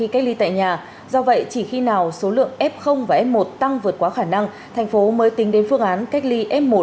chỉ khi nào số lượng f và f một tăng vượt quá khả năng thành phố mới tính đến phương án cách ly f một